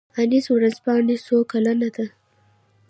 انیس ورځپاڼه څو کلنه ده؟